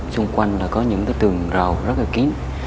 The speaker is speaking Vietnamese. xung quanh là có những cái tường rào rất là kín